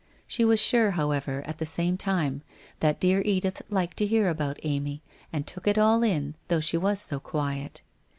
She was sure, however, at the same time, that dear Edith liked to hear about Amy, and took it all in, though she was so quiet.